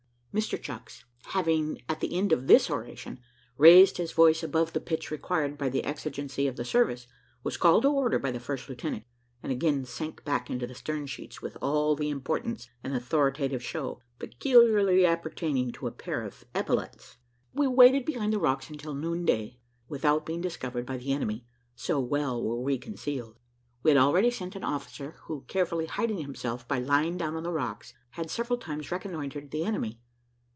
Mr Chucks, having at the end of this oration raised his voice above the pitch required by the exigency of the service, was called to order by the first lieutenant, and again sank back into the stern sheets with all the importance and authoritative show peculiarly appertaining to a pair of epaulets. We waited behind the rocks until noonday, without being discovered by the enemy, so well were we concealed. We had already sent an officer, who, carefully hiding himself by lying down on the rocks, had several times reconnoitred the enemy.